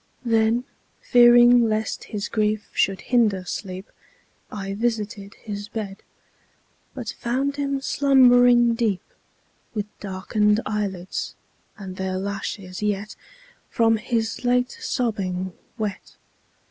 Then, fearing lest his grief should hinder sleep, I visited his bed, But found him slumbering deep, With darken'd eyelids, and their lashes yet 10 From his late sobbing wet.